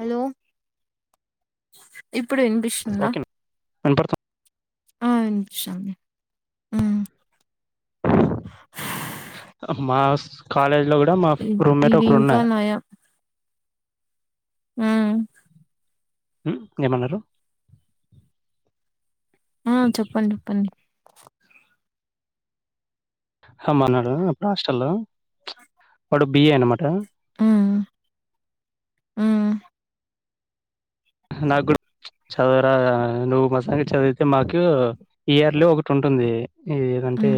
Hello ఇప్పుడు వినిపిస్తుందా వినపడుతుంది. ఆ వినిపిస్తంది. అ మా కాలేజ్ లో కూడా మా రూమ్మేట్ ఒకరు ఉన్నారూ ఆయా హ్ హ్ ఏమన్నారు ఆ చెప్పండి చెప్పండి మాన్నాడు అప్పుడు హాస్టల్ వాడు బిఏ అనమాట ఆ ఆ నాకుడ చదువరారా నువ్వు మా సంగతి చదివితే మాకు ఇయర్లీ ఒకటి ఉంటుంది నువ్వు ఏదంటే ఉమ్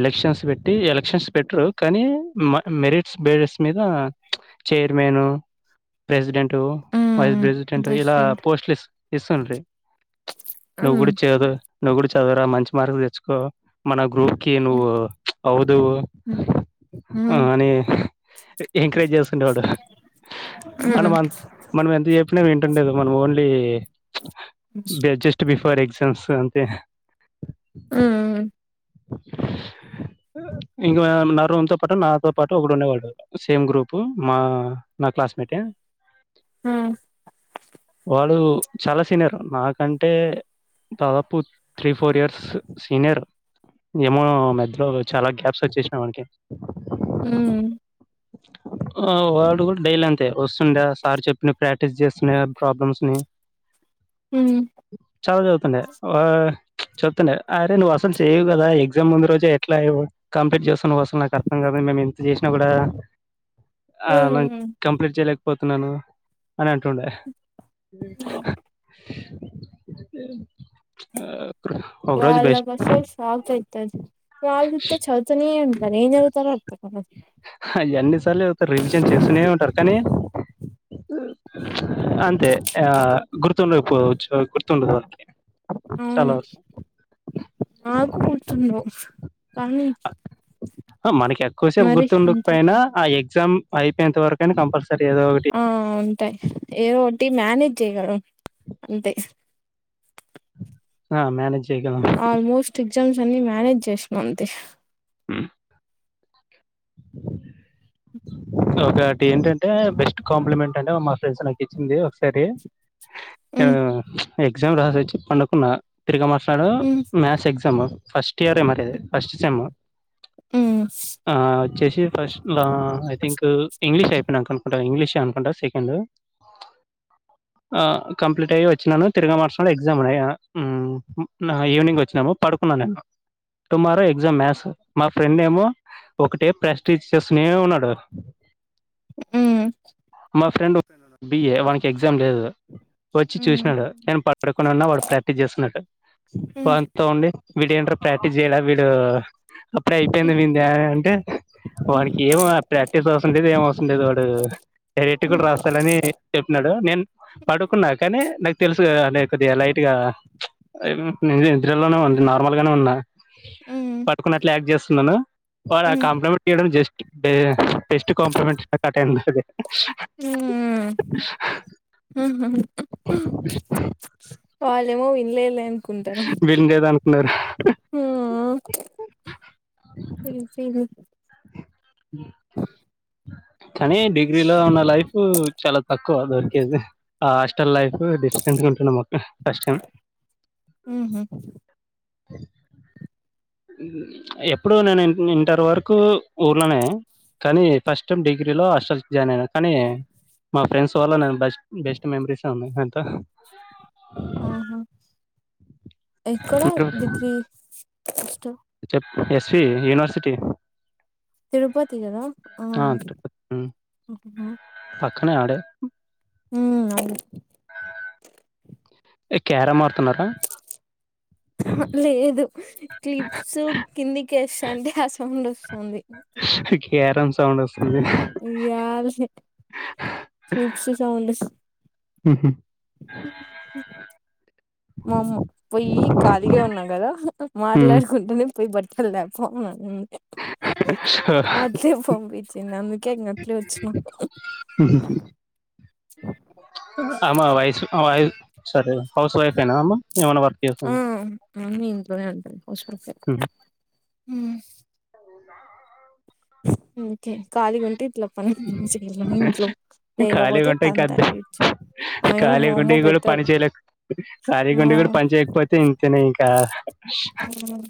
ఎలక్షన్స్ పెట్టి ఎలక్షన్స్ పెట్టరు కానీ మ మెరిట్స్ బేసెస్ మీద chairman president vice um president best ఇలా ఫ్రెండ్ పోస్ట్లు ఇస్ ఇస్తుంట్రీ నువ్వు ఉమ్ కూడా చేయదు నువ్వు కూడా చదువరా మంచి మార్క్ తెచ్చుకో మన గ్రూప్కి ఉమ్ నువ్వు అవదు ఉమ్ అని ఎంకరేజ్ చేస్తుండేవాడు ఉమ్ మనం ఉమ్ అంత మనం ఎంత చెప్పిన వింటుండేది మనం ఓన్లీ బడ్జస్ట్ బిఫోర్ ఎగజామ్స్ అంతే మ్ ఇంకా నా రూమ్ తో పాటు నాతో పాటు ఒకడు ఉండేవాడు సేమ్ గ్రూపు మా నా క్లాస్మేటే వాడు చాలా సీనియర్ నాకంటే దాదాపు త్రీ ఫోర్ ఇయర్స్ సీనియర్ ఏమో మధ్యలో చాలా గ్యాప్స్ వచ్చేసినాయి వానికి ఉ ఆ వాడు కూడా డైలీ అంతే వస్తుండ సార్ చెప్పిన ప్రాక్టీస్ చేస్తున్నా ప్రాబ్లమ్స్ ని మ్ చాలా చదువుతుండే ఆ చెప్తుండే అరే నువ్వు అసలు చేయవు కదా ఎగ్జామ్ ముందు రోజే ఎట్లా కంప్లీట్ చేస్తున్నావ్ అసలు నాకు అర్థం కాదదు మేము ఎంత చేసినా కూడా ఆ నను ఉమ్ కంప్లీట్ చేయలేకపోతున్నాను అని అంటుండే ఆ ఒక రోజు బెస్ట్ అటు సైడ్ సాగుతది వాళ్ళు చుతే చదువుతానే ఉంటరు ఎం చదువుతారో అర్థకాదు అవి అన్ని సార్లు చదువుతారు రివిజన్ చేస్తూనే ఉంటారు కానీ అంతే ఆ గుర్తుండకపోచ్చు గుర్తుండదు వాళ్ళకి ఆ చాలా వరకు మాకు గుర్తుండవ్ కానీ మనకి ఎక్కువసేపు మరి అంత గుర్తుండకపోయినా ఆ ఎగ్జామ్ అయిపోయనంత వరకయినా కంపల్సరీ ఏదో ఒకటి ఆ ఉంటాయి ఏదో ఒకటి మేనేజ్ చేయగల అంతే ఆ మేనేజ్ చేయగలం ఆల్మోస్ట్ ఎగ్జామ్స్ అన్ని మేనేజ్ చేస్నా అంతే ఉ ఒకటి ఏంటంటే బెస్ట్ కాంప్లిమెంట్ అంటే మా ఫ్రెండ్స్ నా చ్చింది ఒకసారి ఆ హ్మ్ ఎగ్జామ్ రాసి వచ్చి పండుకున్నా తిరిగి మస్నాడు హ్మ్ మ్యాథస్ ఎగ్జామ్ ఫస్ట్ ఇయర్ మరది ఫస్ట్ సెమ్ ఉ ఆ వచ్చేసి ఫస్ట్ లో ఐ థింక్ ఇంగ్లీష్ అయిపోయినాక అనుకుంటా ఇంగ్లీష్ అనుకుంటా సి హలో ఆ కంప్లీట్ అయ్యే వచ్చినాను తిరగా మస్నాడు ఎగ్జామ్ ఉన్నాయి ఈవినింగ్ వచ్చినాము పడుకున్నా నేను టుమారో ఎగ్జామ్ మ్యాథ్స్ మా ఫ్రెండ్ ఏమో ఒకటే ప్రాక్టీస్ చేస్తనే ఉన్నాడు మ్ మా ఫ్రెండ్ బిఏ వాడికి ఎగ్జామ్ లేదు వచ్చి హ్మ్ చూసినాడు నేను పడుకుని ఉన్నా వాడు ప్రాక్టీస్ చేస్తున్నాడు హ్మ్ వాడ్తో ఉండి వీడు ఏంట్ర ప్రాక్టీస్ చేయాలే వీడు అప్పుడే అయిపోయింది వి న్ది అని అంటే వాడికి హ్మ్ ఏమొ ప్రాక్టీస్ అవసరం లేదు ఏం అవసం లేదు వాడు డైరెక్ట్ కూడా రాస్తాడని చెప్పినాడు నేను పడుకున్నా కానీ నాకు తెలుసు లే కొద్దిగా లైట్గా న నిద్రలోనే ఉంది నార్మల్ గానే ఉన్నా హ్మ్ పడుకున్నట్లు యాక్ట్ చేస్తున్నాను వాడు ఆ హ్మ్ హ్మ్ కాంప్లిమెంట్ చేయడం జస్ట్ బెస్ట్ కాంప్లిమెంట్ గా స్టార్ట్ ఆఇంది అది మ్ హు మ్ వాళ్ళేమో వినలేద్ లే అనుకుంటారు వీళ్ళని ఏదో అనుకున్నారు మ్ హ కానీ డిగ్రీలో ఉన్న లైఫ్ చాలా తక్కువ దొరికేది ఆ హాస్టల్ లైఫ్ డిఫరెంట్గా ఉంటుండె ఫస్ట్ టైమ్ మ్ హు ఎప్పుడు నేను ఇంటర్ వరకు ఊర్లోనే కానీ ఫస్ట్ టైమ్ డిగ్రీ లో హాస్టల్ జాయిన్ అయినా కానీ మా ఫ్రెండ్స్ వల్ల నేను బ బెస్ట్ మెమరీసె ఉన్నాయి అంత ఆహా ఎక్కడ డిగ్రీ ఫస్ట్ చెప్ ఎస్పి యూనివర్సిటీ తిరుపతి కద ఆ తిరుపతి ఉమ్. పక్కనే ఆడే మ్ అవును ఏ క్యారమ్ ఆడుతున్నారా లేదు క్లిప్స్ కిందికేస్తాంటే ఆ సౌండ్ వస్థంది క్యారమ్ సౌండ్ ఒస్ యద్ క్లిప్స్ సౌండ్ మ్ హు మొ మో పోయి ఖాళిగాే ఉన్నం కదా మాట్లాడుకుంటనే పోయి బట్టలు తేపో అట్లే పంపించ్చింది అందుకే ఇంగ అట్లే వచ్చినా మ్ హు అమా వైసు ఆమెవి అయిదు సరె హౌస్ వైఫ్ ఏనా అమె ఏమన్నా వర్క్ చేసుం ఆ మమ్మీ ఇంట్లోనే ఉంటది హౌస్ వైఫె ఓకే కళీగా ఉంటే ఇట్లా [unintelligible] ఇంట్లో లేకపోతే తంతరిడ్చి ఖాళీ గుండి కుడా పని చేయలే ఖాళీ ఆ గుండి కుడా పని చేయకపోతే ఇంతెనే ఇంకా మ్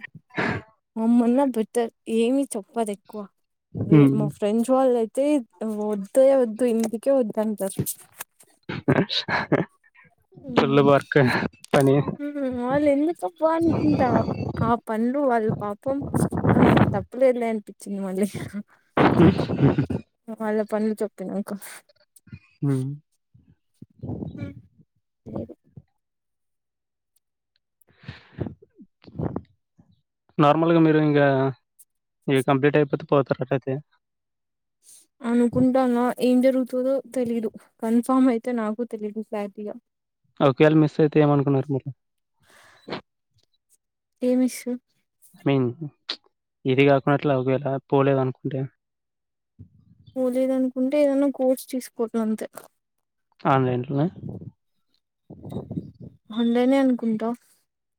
మమ్మన్నా బెటర్ ఏమి చెప్పదు ఎక్కువ వే మా ఫ్రెండ్స్ వాళ్ళు అయితే వద్దె వద్దు ఇంటికే వద్దు అంటారు ఫుల్ మ్ వర్క్ పని మ్ వాళ్ళు ఎందుకబ్బ అనుకుంటా ఆ పన్లు వాళ్ళు పాపం ఆ తప్పులేదులే అనిపించింది మళ్ళీ వాళ్ళ [unintelligible] చెప్పినాకా ఉమ్ హమ్ లేదు నార్మల్గా మీరు ఇంగా ఇవి కంప్లీట్ అయిపోతే పోతారా [unintelligible] అనుకుంటాన్నా ఏం జరుగుతదో తెలీదు కన్ఫార్మ్ అయితే నాకు తెలీదు క్లారిటీగా ఒకేలా మిస్ అయితే ఎమనుకున్నారు మరి ఏ మిస్సు ఐ మీన్ ఇది గాకునా అట్లా ఒకవేలా పోలేదు అనుకుంటే పోలేదు అనుకుంటే ఏదన్నా కోర్స్ [unintelligible] అంతే [unintelligible] హండేనే అనుకుంటా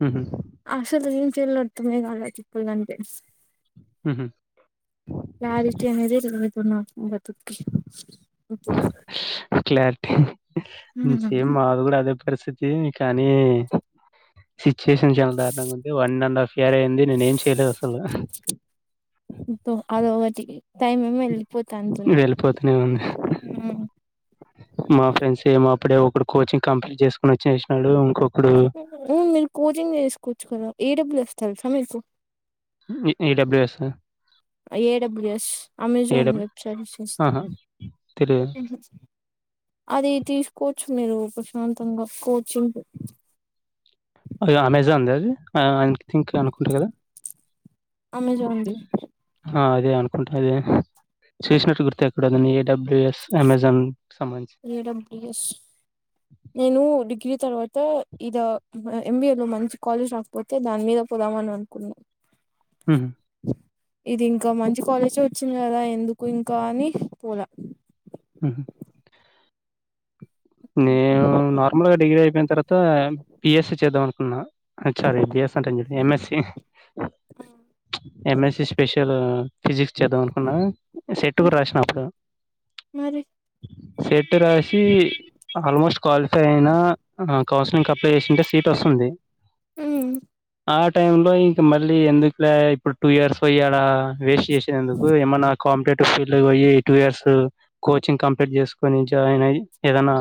ఉహుమ్ అసలు [unintelligible] ఉహుమ్ క్లారిటీ అనేది లేదు ఇప్పుడు నాకు బత్తుక్కి [unintelligible] క్లారిటీ ఉమ్. సేమ్ మాది కూడా అదే పరిసిత్ [unintelligible] కానీ సిచ్యుయేషన్ చాల దారుణంగా ఉంది వన్ అండ్ హఫ్ ఇయార్ అయింది నేనేమ్ చేయలేదు అసలు [unintelligible] అదొకటి టైమ్ ఏమో ఎల్లిపోతాంటుంది వెళ్ళిపోతూనే ఉంది హా మా ఫ్రెండ్స్ ఏమో అప్పుడే ఒకడు కోచింగ్ కంప్లీట్ చేసుకుని ఒచ్చేసినాడు ఇంకొకడు ఉమ్ మీ కోచింగ్ చేసుకోవచ్చు కదా ఏ డబ్ల్యూ ఎస్ తెల్సా మీకు [unintelligible] ఎ డబ్ల్యూ ఎస్ ఆ ఏడబ్ల్యూఎస్ అమెజాన్ ఏడబ్ల్యూ వెబ్సైట్స్ చేస్త ఆహా తెలియదు అది తీసుకోవచ్చు మీరు ప్రశాంతంగా కోచింగ్ [unintelligible] అమెజాన్ ద అది ఆ ఐ థింక్ అనుకుంట కదా అమెజాన్ ది హ అదే అనుకుంటా అదే చేసినట్టు గుర్తు ఎక్కడో గాని A W S Amazon సమంచి ఎస్ నేను డిగ్రీ తర్వాత ఇదా అ ఎంబిఏ లో మంచి కాలేజ్ రాకపోత్ అయితే దాని మీద పోదామను అను అనుకున్నా ఉహుమ్ ఇది ఇంకా మంచి కాలేజే వచ్చింది కదా ఎందుకు ఇంకా అని పోలా ఉహుమ్ నేను నార్మల్ గా డిగ్రీ అయిపోయిన తర్వాత బిఎస్సి చేద్దాం అనుకున్నా హెచ్‌ఆర్ రీ బిఎస్ అంట [unintelligible] ఎంఎస్సి ఎంఎస్సి స్పెషల్ ఫిజిక్స్ చేద్దాం అనుకున్నా సెట్ కూడా రాసినా అప్పుడు మరి సెట్ రాసి ఆల్మోస్ట్ క్వాలిఫై అయినా అ అ కౌన్సిలింగ్ కి అప్లై చేసి ఉంటే సీట్ వస్తుంది మ్మ్ ఆ టైమ్ లో ఇంక మళ్ళీ ఎందుకులే ఇప్పుడు టూ ఇయర్స్ పోయ ఆడా వేస్ట్ చేషేది ఎందుకు ఏమన్నా కాంటేటివ్ ఫీల్లో వొయ్యి టూ ఇయర్స్ కోచింగ్ కంప్లీట్ చేసుకుని జాయిన్ అయ్యి ఏదన్నా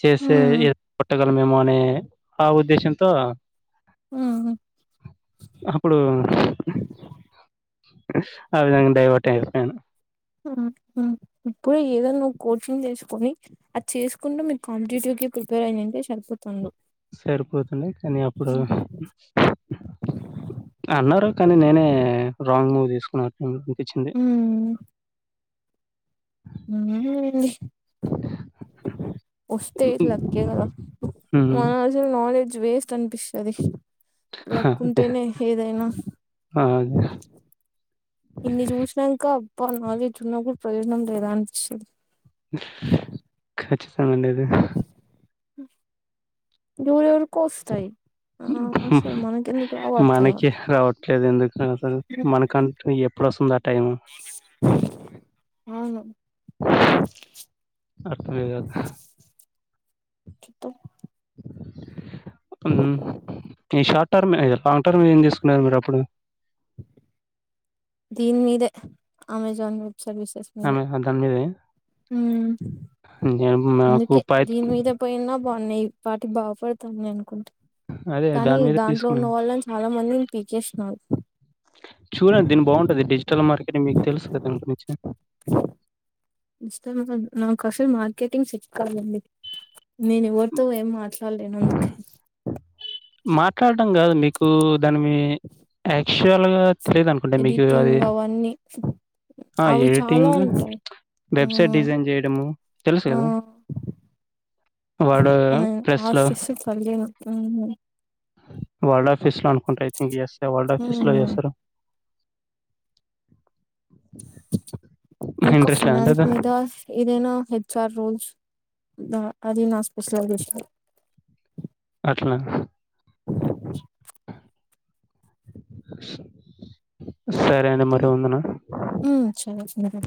చేసే ఏ కొట్టగలమేమో అనే ఆ ఉద్దేశంతో ఉ అప్పుడు ఆ విధంగా డైవర్ట్ అయిపోయాను ఇప్పుడే ఏదో నువ్వు కోచింగ్ చేసుకొని అది చేసుకుంటూ మీరు కాంటిటివ్ కి ప్రిపేర్ అయ్యుంటే సరిపోతుండు సరిపోతుండయి కనీ అప్పుడు అన్నారు కానీ నేనే రాంగ్ మూవ్ తీసుకున్ అనిపించింది మ్మ్ అండి వస్తే ఇద్ లక్కే గదా నాలెడ్జ్ వేస్ట్ అనిపిస్తది అదే లక్కుంటేనే ఏదైనా ఆ ఇన్ని చూసినంక అబ్బా నాలెడ్జ్ ఉన్నా గూడ ప్రయోజనం లేదా అనిపిస్తది ఖచ్చితంగా ఉండేది ఎవురెవురికో వస్తాయి ఆ అసలు మనకెందుకు రావు అర్థం కాదు మనకి రావట్లేదు ఎందుకు అసలు మనకం ఎప్పుడు వస్తుందా టైము అవును అర్థమే గాదు చెప్పు ఈ షాటర్మే లాంగ్ టర్న్ ఏం తీసుకున్నారు మీరప్పుడు దీని మీదే అమెజాన్ వెబ్ సర్వీసెస్ మీదే గన్ మీదే మ్మ్ ఇంగేం మాకు పైత్కి పొయినా బావున్నే ఈపాటికి బాగుపడతనే అనుకుంటే అదే కానీ దాని మీదే దాంట్లో ఉన్న తీసుకున్నాను. వాళ్ళని చాలా మందిన్ పీకేసినారు చూడండి దీన్ బావుంటది డిజిటల్ మార్కెటింగ్ మీకు తెలుసు కదా దని గురించి నాకసలు మార్కెటింగ్ సిట్ కావాలండి నేను ఎవరుతో ఏం మాట్లాలేను అందుకై మాట్లాడడం గాదు మీ కు దానిమి యాక్చువల్ గా తెలిదనుకుంట మీకు అది అన్ని ఆ ఎడిటింగ్ వెబ్సైట్ డిజైన్ జెయడము తెలుసు ఆ గదా వాడు ప్రెస్ లో ఊహు వడాఫీస్ లో అనుకుంట ఐ థింక్ ఎస్ వల్డ్ ఆఫీస్ లో చేస్తారు ఇంకా ఇంట్రెస్ట్ ఫినాన్స్ లేదండి మీదా ఏదైనా హెచ్ ఆర్ రోల్స్ దా అది నా స్పెషలైజేషన్ అట్లా సరే అండి మరి ఉందునా మ్మ్ సరే